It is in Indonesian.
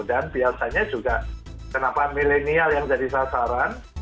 dan biasanya juga kenapa milenial yang jadi sasaran